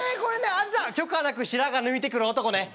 あっ出た許可なく白髪抜いてくる男ね。